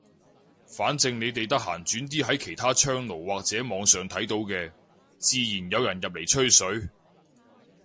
反正你哋得閒轉啲喺其他窗爐或者網上睇到嘅，自然有人入嚟吹水。